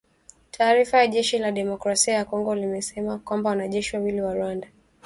Taarifa ya jeshi la Demokrasia ya Kongo imesema kwamba wanajeshi wawili wa Rwanda